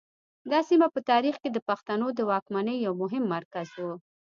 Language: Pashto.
دا سیمه په تاریخ کې د پښتنو د واکمنۍ یو مهم مرکز و